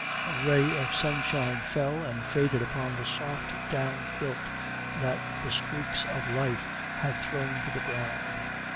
A ray of sunshine fell and faded upon the soft down quilt that the freaks of live had thrown to the ground.